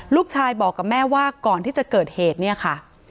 ลูกชายบอกกับแม่ว่าก่อนที่จะเกิดเหตุเนี่ยค่ะ